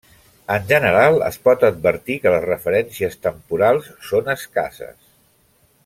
En general es pot advertir que les referències temporals són escasses.